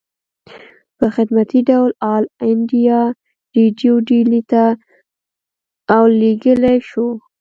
پۀ خدمتي ډول آل انډيا ريډيو ډيلي ته اوليږلی شو